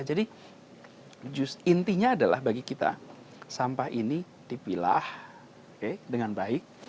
jadi intinya adalah bagi kita sampah ini dipilah dengan baik